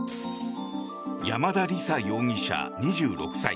山田李沙容疑者、２６歳。